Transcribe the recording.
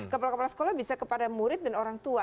kepala kepala sekolah bisa kepada murid dan orang tua